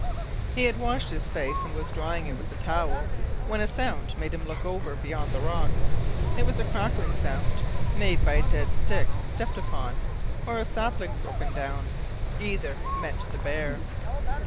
He had washed his face and was drying it with the towel when a sound made him look over beyond the rocks. It was the crackling sound made by a dead stick stepped upon, or a sapling broken down. Either meant the bear.